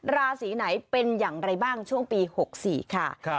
ราศีไหนเป็นอย่างไรบ้างช่วงปี๖๔ค่ะ